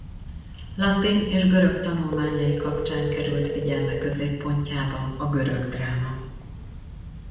Latin és görög tanulmányai kapcsán került figyelme középpontjába a görög dráma.